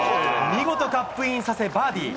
見事、カップインさせてバーディー。